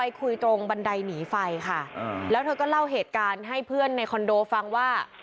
คุยตรงบันไดหนีไฟค่ะแล้วเธอก็เล่าเหตุการณ์ให้เพื่อนในคอนโดฟังว่า